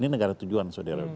ini negara tujuan